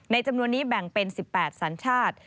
จำนวนนี้แบ่งเป็น๑๘สัญชาติ